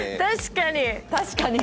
確かに！